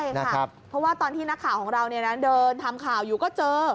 ใช่ค่ะเพราะว่าตอนที่นักข่าวของเราเดินทำข่าวอยู่ก็เจอ